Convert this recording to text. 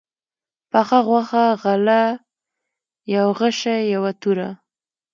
پخه غوښه، غله، يو غشى، يوه توره